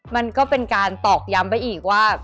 มันก็เป็นการตอกย้ำไปอีกว่า